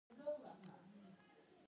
د خروشتي لیک دلته کارول کیده